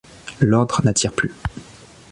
L'ordre n'attire plus.